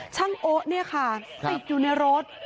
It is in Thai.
ช่างโอติดอยู่ในรถ